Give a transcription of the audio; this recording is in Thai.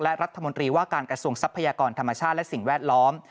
และรัฐมนตรีว่าการกระทรวงทรัพยากรธรรมชาติและสิ่งแวดล้อม